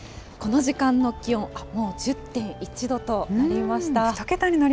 この時間の気温、あっ、もう１０．１度となりました。